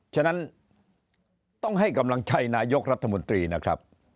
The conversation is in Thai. ฉะนั้นต้องให้กำลังใจนายกรัฐมนตรีนะครับ